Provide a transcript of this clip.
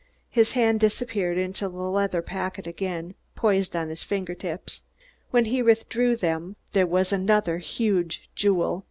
His hand disappeared into the leather packet again; poised on his finger tips, when he withdrew them, was another huge jewel.